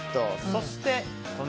そして、隣。